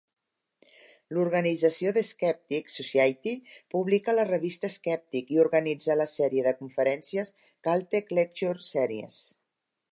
L'organització The Skeptics Society publica la revista "Skeptic" i organitza la sèrie de conferències Caltech Lecture Series.